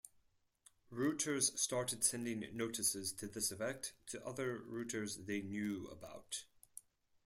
Routers started sending notices to this effect to other routers they knew about.